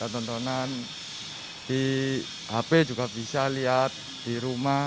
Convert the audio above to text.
tontonan di hp juga bisa lihat di rumah